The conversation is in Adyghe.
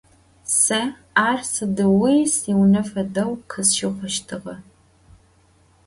Se ar sıdiğui siune fedeu khısşıxhuştığe.